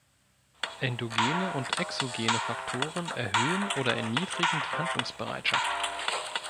Endogene und exogene Faktoren erhöhen oder erniedrigen die Handlungsbereitschaft.